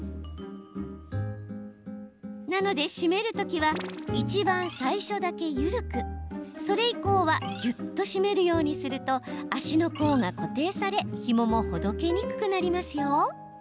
なので、締めるときはいちばん最初だけ緩くそれ以降はぎゅっと締めるようにすると足の甲が固定されひもも、ほどけにくくなりますよ。